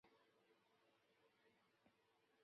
金钦格是德国巴伐利亚州的一个市镇。